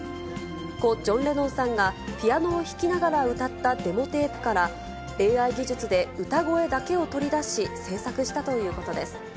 故・ジョン・レノンさんがピアノを弾きながら歌ったデモテープから、ＡＩ技術で歌声だけを取り出し、制作したということです。